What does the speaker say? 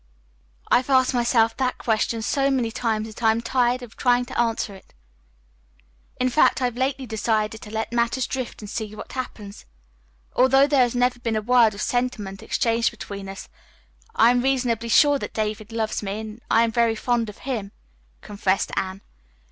I've asked myself that question so many times that I am tired of trying to answer it. In fact, I've lately decided to let matters drift and see what happens. Although there has never been a word of sentiment exchanged between us, I am reasonably sure that David loves me, and I am very fond of him," confessed Anne.